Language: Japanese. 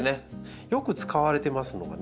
よく使われてますのがね